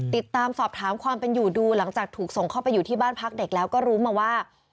ติดตามสอบถามความเป็นอยู่ดูหลังจากถูกส่งเข้าไปอยู่ที่บ้านพักเด็กแล้วก็รู้มาว่า